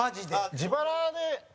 塙：自腹で。